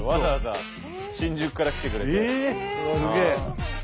すげえ！